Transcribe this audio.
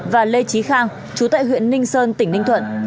và lê trí khang chú tại huyện ninh sơn tỉnh ninh thuận